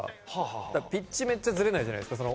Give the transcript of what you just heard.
ピッチがめっちゃズレないじゃないですか。